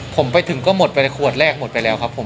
ผมไปถึงก็หมดไปในขวดแรกหมดไปแล้วครับผม